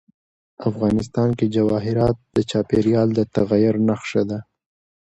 افغانستان کې جواهرات د چاپېریال د تغیر نښه ده.